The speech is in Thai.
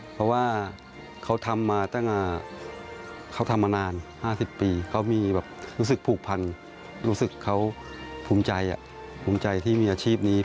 เพราะว่าเขาทำมานาน๕๐ปีเขามีรู้สึกผูกพันรู้สึกเขาภูมิใจที่มีอาชีพนี้